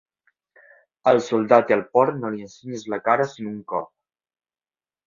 Al soldat i al porc no li ensenyis la cara sinó un cop.